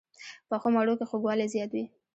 پخو مڼو کې خوږوالی زیات وي